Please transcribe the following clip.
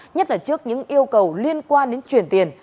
nhất là trước những yêu cầu liên quan đến chuyển tiền